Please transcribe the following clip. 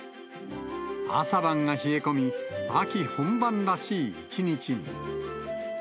朝晩が冷え込み、秋本番らしい一日に。